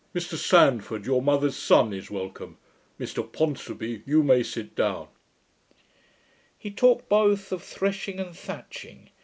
Mr Sandford, your mother's son, is welcome! Mr Ponsonby, you may sit down.' He talked both of threshing and thatching.